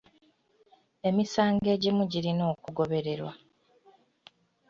Emisango egimu girina okugobererwa.